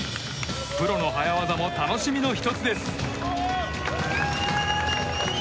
プロの早業も楽しみの１つです。